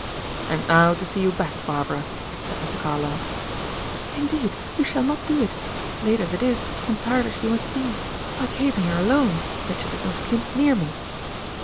"And now to see you back, Barbara," said Mr. Carlyle. "Indeed you shall not do it late as it is, and tired as you must be. I came here alone; Richard did not keep near me."